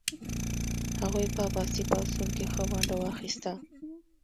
هغوی په عباسي پاڅون کې ښه ونډه واخیسته.